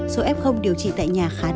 số f điều trị tại nhà khá đáng